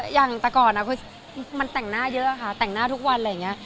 อย่างแต่ก่อนคือมันแต่งหน้าเยอะค่ะแต่งหน้าทุกวันอะไรอย่างนี้